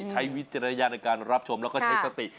วิจารณญาณในการรับชมแล้วก็ใช้สติ